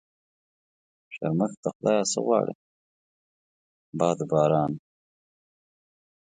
شرمښ د خدا يه څه غواړي ؟ باد و باران.